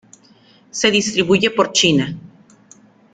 Se distribuye por China.